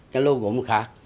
cái lo gốm khác